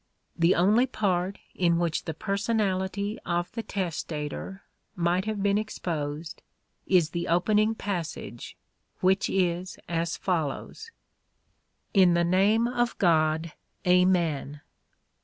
The only part in which the personality of the testator might have been exposed is the opening passage, which is as follows :—" In the name of God, amen